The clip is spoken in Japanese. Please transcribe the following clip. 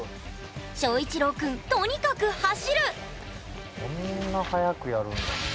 翔一郎くんとにかく走るそんな速くやるんだ。